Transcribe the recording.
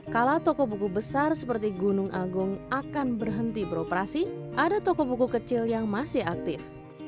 kalau toko buku besar seperti gunung agung akan berhenti beroperasi ada toko buku kecil yang masih aktif